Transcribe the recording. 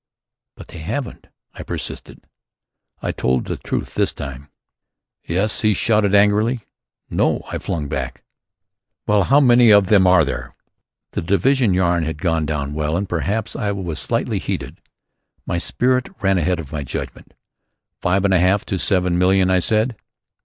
"But they haven't," I persisted. I told the truth this time. "Yes," he shouted angrily. "No," I flung back. "Well, how many of them are there?" The division yarn had gone down well. And perhaps I was slightly heated. My spirit ran ahead of my judgment. "Five and a half to seven million," I said.